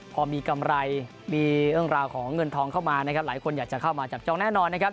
พอมีกำไรมีเรื่องราวของเงินทองเข้ามานะครับหลายคนอยากจะเข้ามาจับจองแน่นอนนะครับ